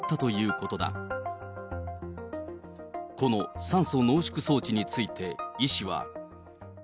この酸素濃縮装置について、医師は。